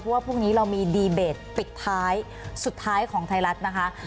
ว่าพรุ่งนี้เรามีดีเบตปิดท้ายสุดท้ายของไทยรัฐนะคะ